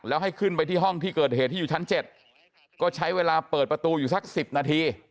แล้วให้ขึ้นไปที่ห้องที่เกิดเหตุที่อยู่ชั้น๗ก็ใช้เวลาเปิดประตูอยู่สัก๑๐นาที